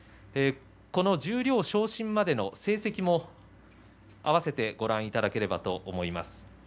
この十両昇進までの成績も合わせてご覧いただければと思います。